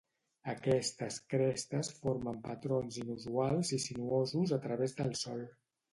Aquestes crestes formen patrons inusuals i sinuosos a través del sòl.